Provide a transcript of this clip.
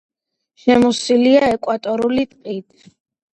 შემოსილია ეკვატორული ტყით.